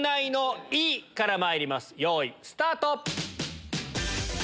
よいスタート！